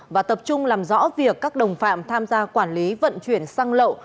và tập trung làm rõ việc các đồng phạm tham gia quản lý vận chuyển xăng lậu